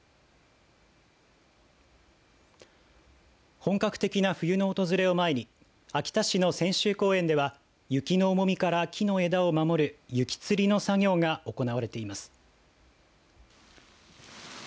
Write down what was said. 本格的な冬の訪れを前に秋田市の千秋公園では雪の重みから木の枝を守る雪吊りの作業が行われています。